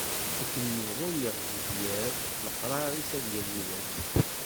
Akken yebɣu yiɣzif yiḍ, leqrar-is ad yali wass.